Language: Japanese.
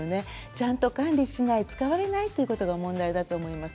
ちゃんと管理しない使われないということが問題だと思います。